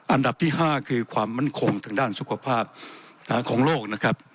อันดับที่๕คือความมั่นคงทางด้านสุขภาพของโลกนะครับ